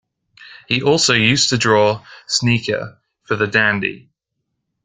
He also used to draw Sneaker for "The Dandy".